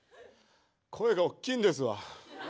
声が大きいんですわ。